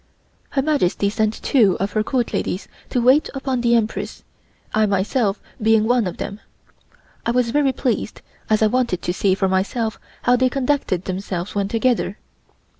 Her Majesty sent two of her Court ladies to wait upon the Empress, I myself being one of them. I was very pleased, as I wanted to see for myself how they conducted themselves when together.